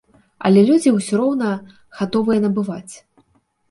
Але людзі ўсё роўна гатовыя набываць.